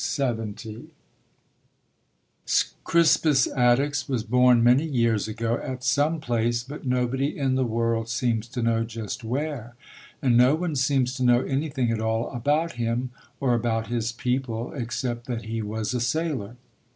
Chapter XIII CRISPUS ATTUCKS 1723 1770 ATTUCKS was born many years V_>4 a go, at some place, but nobody in the world seems to know just where. And no one seems to know anything at all about him, or about his people, except that he was a sailor.